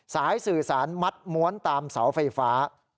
สายสื่อสารมัดม้วนตามเสาไฟฟ้า